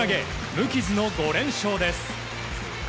無傷の５連勝です。